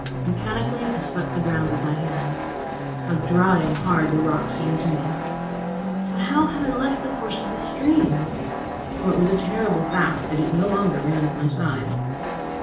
Mechanically I swept the ground with my hands. How dry and hard the rock seemed to me! But how had I left the course of the stream? For it was a terrible fact that it no longer ran at my side.